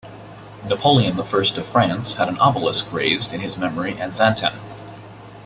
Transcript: Napoleon the First of France had an obelisk raised in his memory in Xanten.